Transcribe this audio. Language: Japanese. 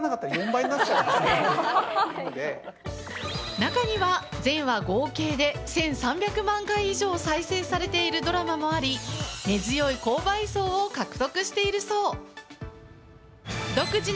中には全話合計で１３００万回再生されているドラマもあり、根強い購買層を獲得しているそう。